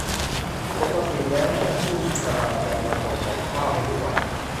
ปกติแล้วแม่ผู้ชราจะมาส่งก่องข้าวให้ทุกวัน